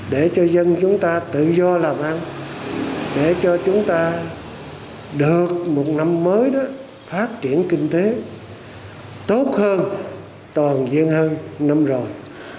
để cho dân chúng ta tự do làm ăn để cho chúng ta được một năm mới đó phát triển kinh tế tốt hơn toàn diện hơn năm rồi